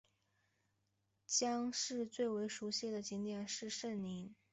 姜市最为人熟悉的景点是圣陵。